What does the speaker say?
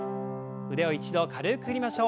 腕を一度軽く振りましょう。